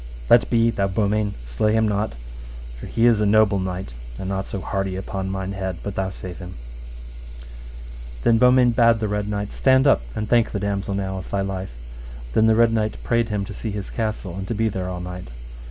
Let be, thou Beaumains, slay him not, for he is a noble knight, and not so hardy, upon thine head, but thou save him. Then Beaumains bade the Red Knight, Stand up, and thank the damosel now of thy life. Then the Red Knight prayed him to see his castle, and to be there all night.